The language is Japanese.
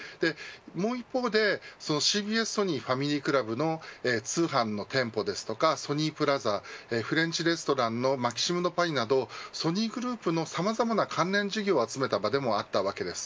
もう一方でＣＢＳソニーファミリークラブの通販の店舗ですとかソニープラザフレンチレストランのマキシムド・パリなどソニーグループのさまざまな関連事業を集めた場でもあったわけです。